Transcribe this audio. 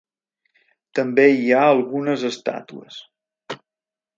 També hi ha algunes estàtues.